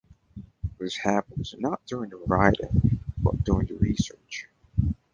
This happens not during the writing, but during the research.